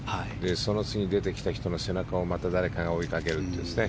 その次に出てきた人の背中をまた誰かが追いかけるというですね。